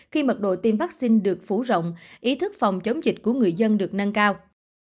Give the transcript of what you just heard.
khi mật độ tiêm vaccine được phủ rộng ý thức phòng chống dịch của người dân được nâng cao